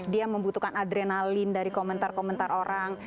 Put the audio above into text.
dia membutuhkan adrenalin dari komentar komentar orang